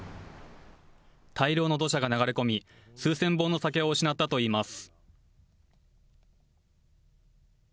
大量の土砂が流れ込み、数千本の酒を失ったといいます。